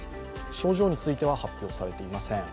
症状については発表されていません。